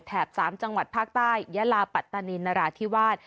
๓จังหวัดภาคใต้ยะลาปัตตานีนราธิวาส